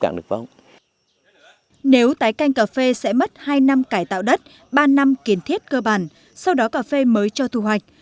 nếu tái canh cà phê sẽ mất hai năm cải tạo đất ba năm kiến thiết cơ bản sau đó cà phê mới cho thu hoạch